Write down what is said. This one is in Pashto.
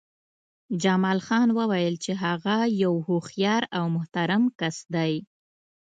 جمال خان وویل چې هغه یو هوښیار او محترم کس دی